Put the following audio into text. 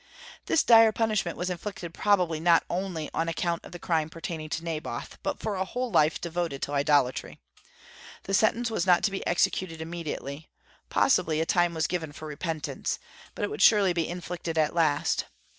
This dire punishment was inflicted probably not only on account of the crime pertaining to Naboth, but for a whole life devoted to idolatry. The sentence was not to be executed immediately, possibly a time was given for repentance; but it would surely be inflicted at last.